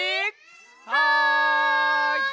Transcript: はい！